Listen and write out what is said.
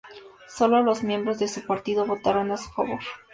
Sólo los miembros de su partido votaron a su favor.